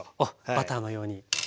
バターのように。